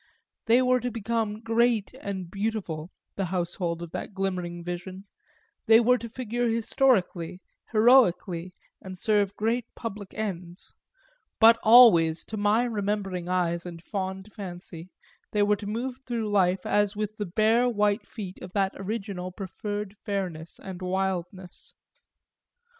They were to become great and beautiful, the household of that glimmering vision, they were to figure historically, heroically, and serve great public ends; but always, to my remembering eyes and fond fancy, they were to move through life as with the bare white feet of that original preferred fairness and wildness.